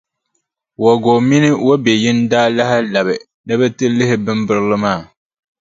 Wagow mini Wobeyin daa lahi labi ni bɛ ti lihi bimbirili maa.